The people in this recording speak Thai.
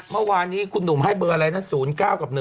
เมื่อวานนี้คุณหนุ่มให้เบอร์อะไรนะ๐๙กับ๑